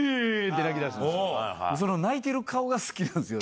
その泣いてる顔が好きなんですよ